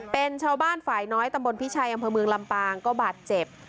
เป็นชาวบ้านฝ่ายน้อยตำบลพิชัยอำเภอเมืองลำปางก็บาดเจ็บ